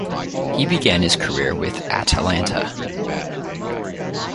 He began his career with Atalanta.